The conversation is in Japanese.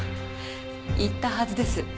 言ったはずです。